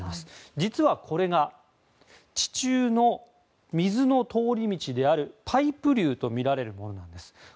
実はこれが地中の水の通り道であるパイプ流とみられるものなんです。